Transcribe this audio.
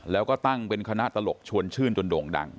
แล้วก็ตั้งเป็นคณะตลกชวนชื่นจนโด่งดัง